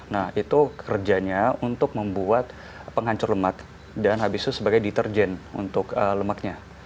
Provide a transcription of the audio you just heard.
nah itu kerjanya untuk membuat penghancur lemak dan habis itu sebagai deterjen untuk lemaknya